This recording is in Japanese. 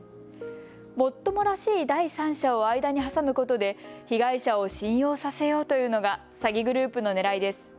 もっともらしい第三者を間に挟むことで被害者を信用させようというのが詐欺グループのねらいです。